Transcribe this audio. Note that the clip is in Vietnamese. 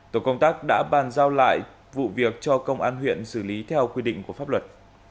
tổ công tác đã bàn giao lại vụ việc cho công an huyện xử lý theo quy định của pháp luật